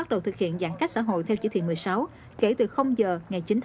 chứ không có ghé đồng ngang